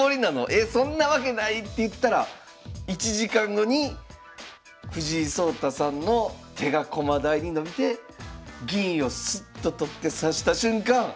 えそんなわけないって言ったら１時間後に藤井聡太さんの手が駒台に伸びて銀をスッと取って指した瞬間